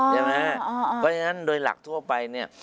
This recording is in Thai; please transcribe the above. เพราะฉะนั้นโดยหลักทั่วไป